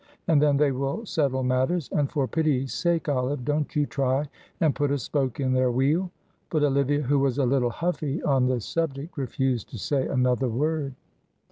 And then they will settle matters. And for pity's sake, Olive, don't you try and put a spoke in their wheel." But Olivia, who was a little huffy on the subject, refused to say another word.